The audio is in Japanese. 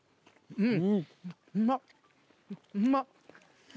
うん。